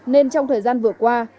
nên trong thời gian vừa qua